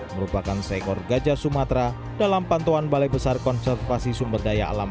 merupakan seekor gajah sumatera dalam pantauan balai besar konservasi sumber daya alam